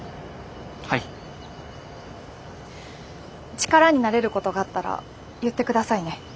力になれることがあったら言ってくださいね。